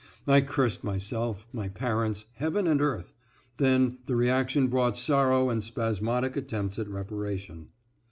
I cursed myself, my parents, heaven and earth; then the reaction brought sorrow and spasmodic attempts at reparation.